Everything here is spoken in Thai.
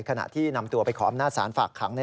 ขณะที่นำตัวไปขออำนาจศาลฝากขัง